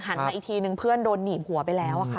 มาอีกทีนึงเพื่อนโดนหนีบหัวไปแล้วค่ะ